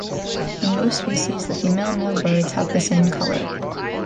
In most species, the female and male birds have the same color.